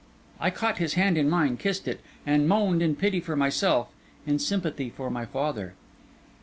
I caught his hand in mine, kissed it, and moaned in pity for myself, in sympathy for my father.